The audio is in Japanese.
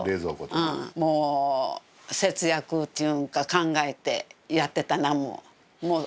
もう節約ちゅうんか考えてやってたな。